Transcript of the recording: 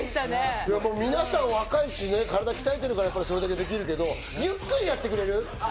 皆さん若いし、体鍛えてるからそれだけできるけど、ゆっくりやってくれる？